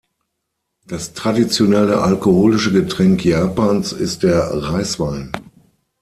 Das traditionelle alkoholische Getränk Japans ist der Reiswein.